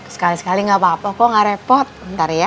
sekali sekali gak apa apa kok gak repot ntar ya